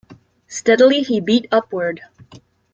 Steadily he beat upward.